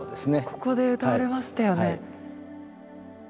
ここで歌われましたよね。